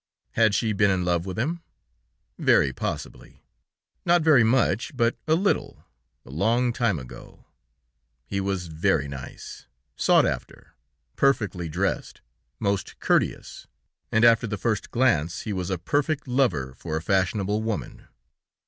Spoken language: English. Had she been in love with him? Very possibly! Not very much, but a little, a long time ago! He was very nice, sought after, perfectly dressed, most courteous, and after the first glance, he was a perfect lover for a fashionable woman.